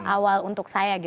awal untuk saya